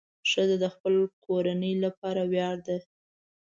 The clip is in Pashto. ښځه د خپل کورنۍ لپاره ویاړ ده.